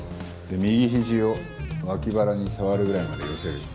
で右ひじを脇腹に触るぐらいまで寄せる。